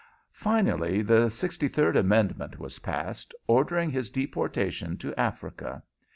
Finally the sixty third amendment was passed, ordering his deportation to Africa.